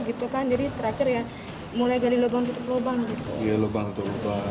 jadi terakhir ya mulai gali lubang tutup lubang gitu